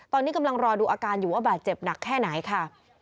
ตอนนี้กำลังรอดูอาการอยู่ว่าบาดเจ็บหนักแค่ไหนค่ะ